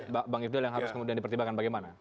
bang ifdal yang harus kemudian dipertimbangkan bagaimana